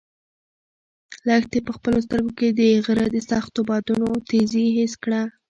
لښتې په خپلو سترګو کې د غره د سختو بادونو تېزي حس کړه.